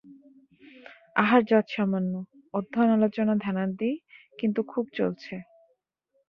আহার যৎসামান্য, অধ্যয়ন আলোচনা ধ্যানাদি কিন্তু খুব চলছে।